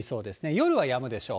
夜はやむでしょう。